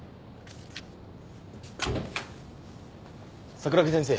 櫻木先生